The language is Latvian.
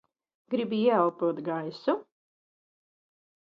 Gribi ieelpot gaisu?